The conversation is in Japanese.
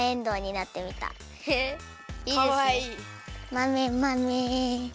まめまめ。